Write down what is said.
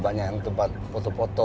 banyak tempat foto foto